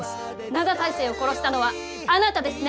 灘大聖を殺したのはあなたですね？